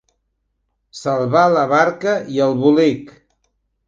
Salvar la barca i el bolic.